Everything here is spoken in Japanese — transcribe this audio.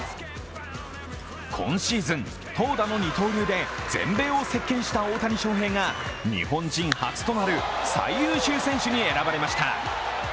今シーズン、投打の二刀流で全米を席けんした大谷翔平が日本人初となる最優秀選手に選ばれました。